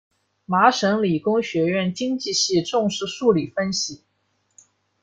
麻省理工学院经济系重视数理分析。